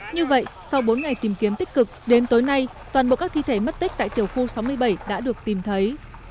như vậy sau bốn ngày tìm kiếm tích cực đến tối nay toàn bộ các thi thể mất tích tại tiểu khu sáu mươi bảy đã được tìm thấy